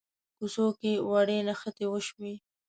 کوڅو کې وړې نښتې وشوې.